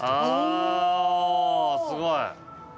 おすごい。